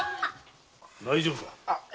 大丈夫か？